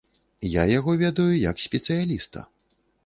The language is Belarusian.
Я яго ведаю як спецыяліста.